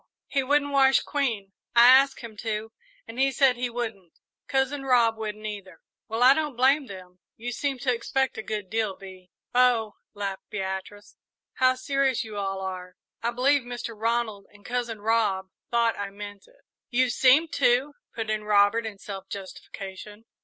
"He wouldn't wash Queen. I asked him to, and he said he wouldn't. Cousin Rob wouldn't, either." "Well, I don't blame them. You seem to expect a good deal, Bee." "Oh," laughed Beatrice, "how serious you all are! I believe Mr. Ronald and Cousin Rob thought I meant it!" "You seemed to," put in Robert, in self justification.